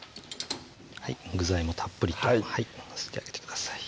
具材もたっぷりと載せてあげてください